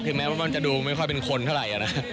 ถึงแม้พี่พ่อจะดูไม่ค่อยเป็นคนเท่าไรนะ